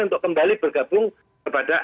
untuk kembali bergabung kepada